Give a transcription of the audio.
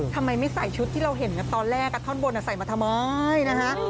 ทำไมไม่ใส่ชุดที่เราเห็นตอนแรกท่อนบนใส่มาทำไมนะฮะ